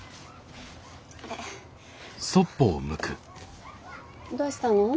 えっどうしたの？